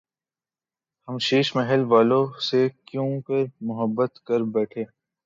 ہم شیش محل والوں سے کیونکر محبت کر بیتھے